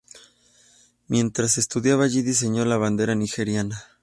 Mientras estudiaba allí, diseñó la bandera nigeriana.